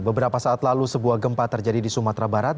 beberapa saat lalu sebuah gempa terjadi di sumatera barat